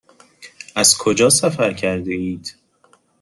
از کجا سفر کرده اید؟